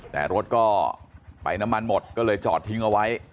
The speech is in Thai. แต่รถก็ไปน้ำมันหมดก็เลยจอดทิ้งเอาไว้